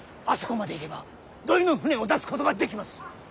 あそこまで行けば土肥の舟を出すことができます。